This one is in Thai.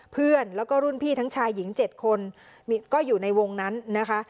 เพื่อนแล้วก็รุ่นพี่ทั้งชายหญิง๗คนก็อยู่ในวงนั้นนะคะ